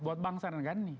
buat bangsa negara ini